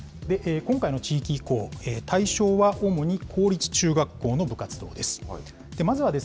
今回の地域移行、対象は主に公立中学校の部活動です。